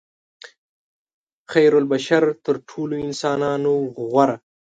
خیرالبشر تر ټولو انسانانو غوره.